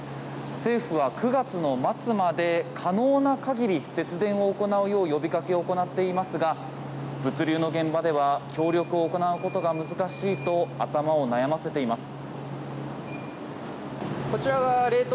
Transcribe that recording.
政府は９月の末まで可能な限り節電を行うよう呼びかけを行っていますが物流の現場では協力を行うことが難しいと頭を悩ませています。